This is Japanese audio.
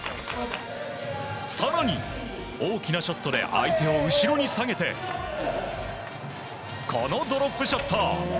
更に、大きなショットで相手を後ろに下げてこのドロップショット！